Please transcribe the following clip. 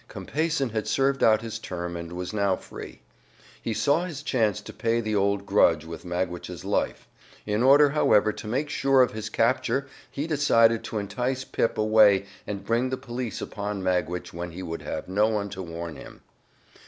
Compeyson had served out his term, and was now free. He saw his chance to pay the old grudge with Magwitch's life. In order, however, to make sure of his capture he decided to entice Pip away and bring the police upon Magwitch when he would have no one to warn him.